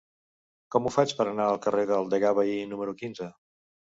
Com ho faig per anar al carrer del Degà Bahí número quinze?